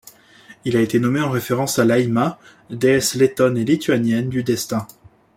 Il a été nommé en référence à Laima, déesse lettone et lituanienne du destin.